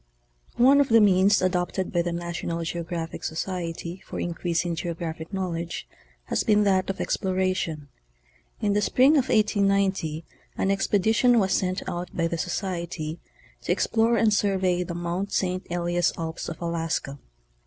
One of the means adopted by the Narionan GEOGRAPHIC Socrery for increasing geographic knowledge has been that of exploration. Inthe spring of 1890 an expedition was sent out by the Society to explore and survey the Mt. St. Elias alps of Alaska.